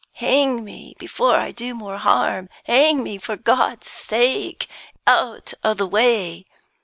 Hang me before I do more harm! Hang me, for God's sake, out of the way!"